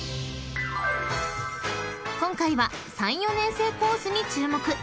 ［今回は３・４年生コースに注目］